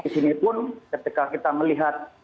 di sini pun ketika kita melihat